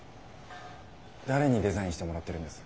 誰に「デザイン」してもらってるんです？